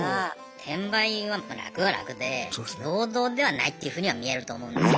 転売は楽は楽で労働ではないっていうふうには見えると思うんですよ。